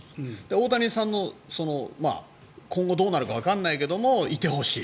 大谷さんの今後どうなるかわからないけども、いてほしい。